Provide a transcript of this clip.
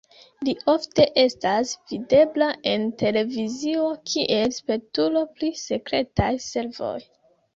Li ofte estas videbla en televizio kiel spertulo pri sekretaj servoj.